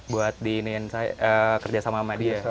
buat kerjasama sama dia